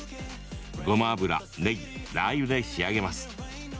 ごま油、ねぎ、ラー油で仕上げます。